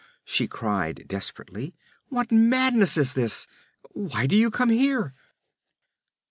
she cried desperately. 'What madness is this? Why do you come here?'